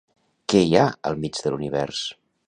Què hi ha al mig de l'univers?